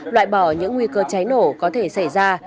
loại bỏ những nguy cơ cháy nổ có thể xảy ra